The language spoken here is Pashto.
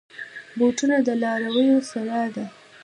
بوټونه د لارویو سلاح ده.